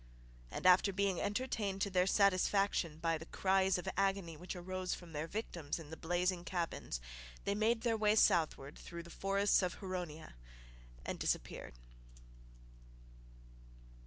And, after being entertained to their satisfaction by the cries of agony which arose from their victims in the blazing cabins, they made their way southward through the forests of Huronia and disappeared.